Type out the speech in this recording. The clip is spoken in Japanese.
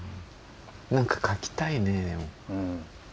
何か描きたいね。